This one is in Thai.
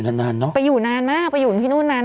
น่าไปอยู่นาน